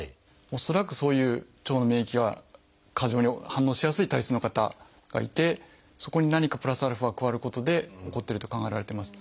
恐らくそういう腸の免疫が過剰に反応しやすい体質の方がいてそこに何かプラスアルファが加わることで起こっていると考えられています。